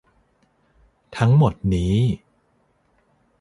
ทั้งหมดนี้